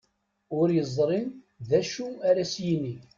Ur yeẓri d acu ara as-yini.